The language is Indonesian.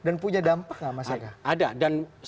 dan punya dampak gak mas eka